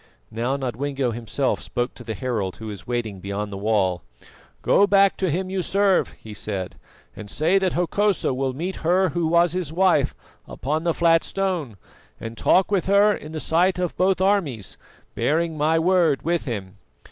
Now Nodwengo himself spoke to the herald who was waiting beyond the wall. "Go back to him you serve," he said, "and say that Hokosa will meet her who was his wife upon the flat stone and talk with her in the sight of both armies, bearing my word with him.